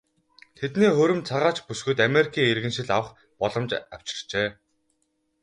Тэдний хурим цагаач бүсгүйд Америкийн иргэншил авах боломж авчирчээ.